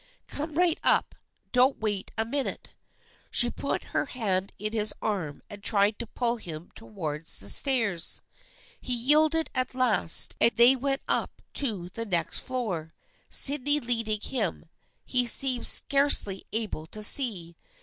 Come right up. Don't wait a minute." She put her hand in his arm and tried to pull him towards the stairs. He yielded at last and they went up to the next floor, Sydney leading him. He seemed scarcely able to see.